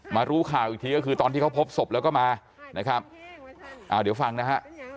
รู้ข่าวอีกทีก็คือตอนที่เขาพบศพแล้วก็มานะครับอ่าเดี๋ยวฟังนะฮะ